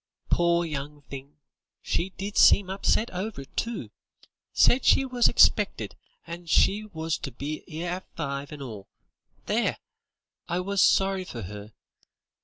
"Pore young thing, she did seem upset over it, too. Said she was expected, and she was to be 'ere at five, and all. There! I was sorry for 'er.